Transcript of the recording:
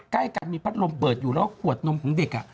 ใกล้กันมีพัดลมเบิดอยู่แล้วขวดนมของเด็ก